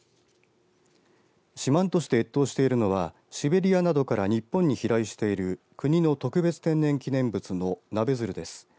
四万十市で越冬しているのはシベリアなどから日本に飛来している国の特別天然記念物のナベヅルです。